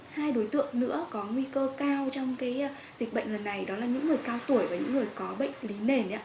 hai đối tượng nữa có nguy cơ cao trong dịch bệnh lần này đó là những người cao tuổi và những người có bệnh lý nền